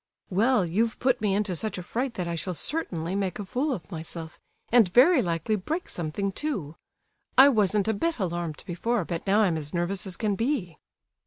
"Well, you've put me into such a fright that I shall certainly make a fool of myself, and very likely break something too. I wasn't a bit alarmed before, but now I'm as nervous as can be."